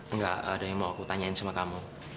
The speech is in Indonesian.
enggak ada yang mau aku tanyain sama kamu